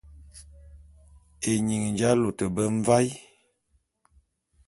Ényin j'alôte be mvaé.